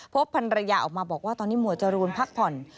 พันรยาออกมาบอกว่าตอนนี้หมวดจรูนพักผ่อน